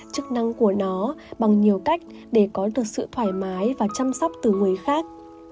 chức năng của nó bằng nhiều cách để có được sự thoải mái và chăm sóc từ người khác